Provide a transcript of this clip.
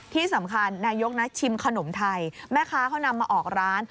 ที่สำคัญนายกชิมขนมไทยแม่คะเขานำมาออกร้าน